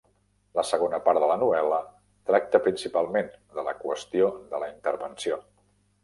La segona part de la novel·la tracta principalment de la qüestió de la intervenció.